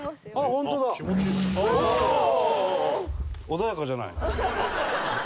穏やかじゃないね。